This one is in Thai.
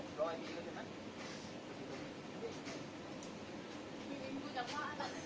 สวัสดีครับ